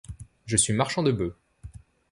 Je suis marchand de bœufs.